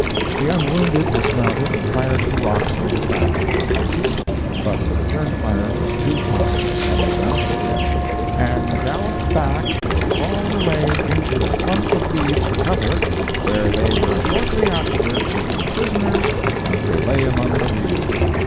The unwounded dismounted and fired at the rocks over the backs of their horses; but the return fire was too hot, and they mounted again, "and galloped back or crawled away into a clump of reeds for cover, where they were shortly afterward taken prisoners as they lay among the reeds.